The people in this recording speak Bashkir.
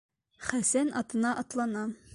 Хәсән атына атлана.